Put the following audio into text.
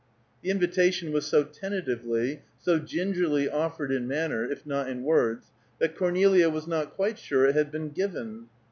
The invitation was so tentatively, so gingerly offered in manner, if not in words, that Cornelia was not quite sure it had been given.